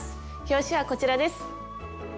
表紙はこちらです。